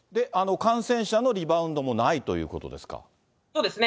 感染者のリバウンドもないということですか。